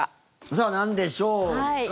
さあ、なんでしょうか。